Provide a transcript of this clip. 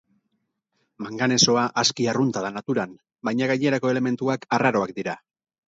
Manganesoa aski arrunta da naturan, baina gainerako elementuak arraroak dira.